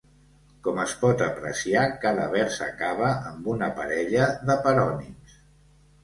Com es pot apreciar, cada vers acaba amb una parella de parònims.